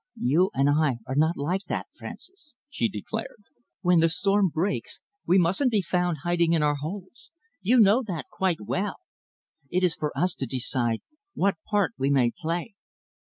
"You and I are not like that, Francis," she declared. "When the storm breaks, we mustn't be found hiding in our holes. You know that quite well. It is for us to decide what part we may play.